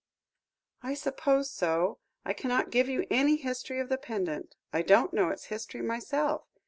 "I suppose so. I cannot give you any history of the pendant; I don't know its history myself.